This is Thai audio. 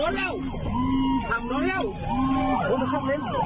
ตามมา